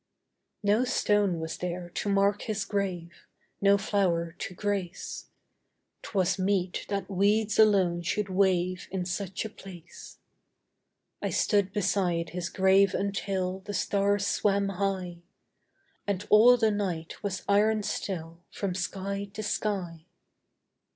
No stone was there to mark his grave, No flower to grace 'Twas meet that weeds alone should wave In such a place: I stood beside his grave until The stars swam high, And all the night was iron still From sky to sky.